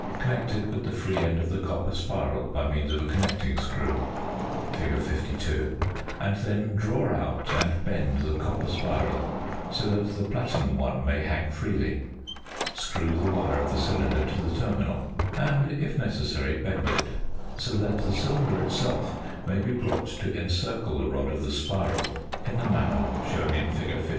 Connect it with the free end of the copper spiral by means of a connecting screw (fig. 52), and then draw out and bend the copper spiral so that the platinum one may hang freely. Screw the wire of the cylinder to the terminal, and, if necessary, bend it so that the cylinder itself may be brought to encircle the rod of the spiral in the manner shown in fig. 53.